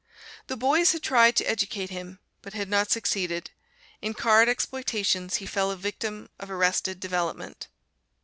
The boys had tried to educate him, but had not succeeded. In card exploitations he fell a victim of arrested development.